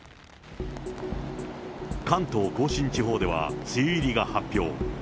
関東甲信地方では梅雨入りが発表。